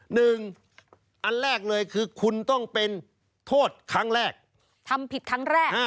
หนึ่งอันแรกเลยคือคุณต้องเป็นโทษครั้งแรกทำผิดครั้งแรก